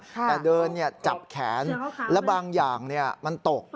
แต่เดินจับแขนและบางอย่างมันตก